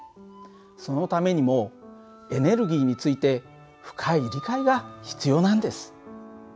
そのためにもエネルギーについて深い理解が必要なんです。